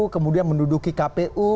kemudian menduduki kpu